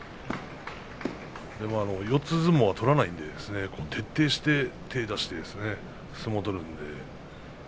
でも四つ相撲は取りませんので徹底して手を出して相撲を取ります。